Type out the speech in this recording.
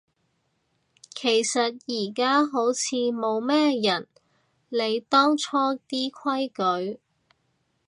其實而家好似冇咩人理當初啲規矩